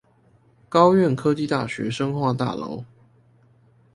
高苑科技大學生化大樓